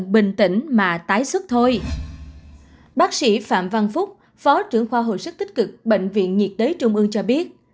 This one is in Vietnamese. bác sĩ phạm văn phúc phó trưởng khoa hồi sức tích cực bệnh viện nhiệt đới trung ương cho biết